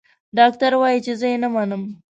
ډاکټر وايي چې زه يې نه منم.